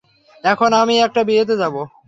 এখন আমি একটা বিয়েতে যাবো।